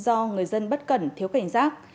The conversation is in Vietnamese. do người dân bất cẩn thiếu cảnh giác